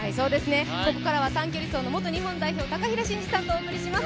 ここからは短距離走元日本代表の高平慎士さんとお送りします。